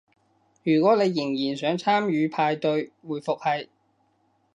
如果你仍然想參與派對，回覆係